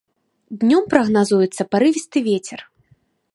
Днём прагназуецца парывісты вецер.